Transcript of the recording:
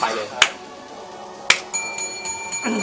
ไปเลย